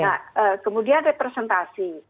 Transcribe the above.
nah kemudian representasi